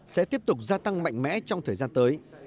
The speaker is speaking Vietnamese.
sẽ tiếp tục gia tăng mạnh mẽ trong thời gian tới